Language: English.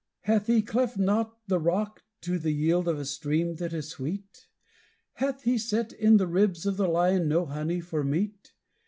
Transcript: "Hath he cleft not the rock, to the yield of a stream that is sweet? Hath he set in the ribs of the lion no honey for meat?